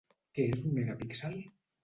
Què és un Megapíxel?